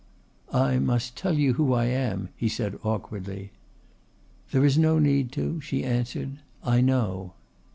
"I must tell you who I am," he said awkwardly. "There is no need to," she answered, "I know."